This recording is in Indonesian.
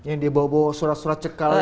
yang dibawa bawa surat surat cekalan